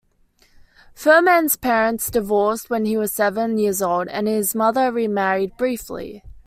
Fuhrman's parents divorced when he was seven years old, and his mother remarried briefly.